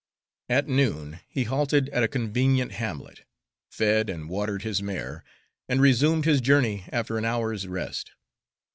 At noon he halted at a convenient hamlet, fed and watered his mare, and resumed his journey after an hour's rest.